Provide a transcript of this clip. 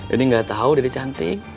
ini gak tau dari cantik